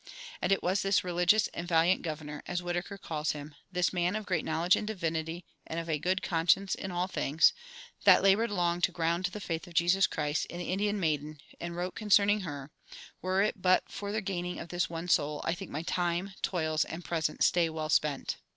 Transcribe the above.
And it was this "religious and valiant governor," as Whitaker calls him, this "man of great knowledge in divinity, and of a good conscience in all things," that "labored long to ground the faith of Jesus Christ" in the Indian maiden, and wrote concerning her, "Were it but for the gaining of this one soul, I will think my time, toils, and present stay well spent."